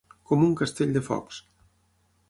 Com un castell de focs.